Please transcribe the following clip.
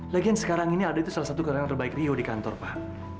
lagian sekarang ini alda itu salah satu orang yang terbaik rio di kantor pak